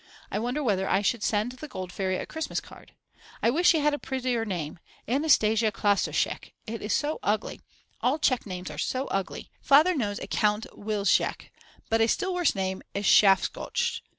I wonder whether I should send the Gold Fairy a Christmas card. I wish she had a prettier name. Anastasia Klastoschek; it is so ugly. All Czech names are so ugly. Father knows a Count Wilczek, but a still worse name is Schafgotsch.